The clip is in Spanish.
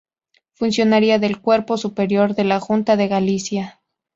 Funcionaria del Cuerpo Superior de la Junta de Galicia.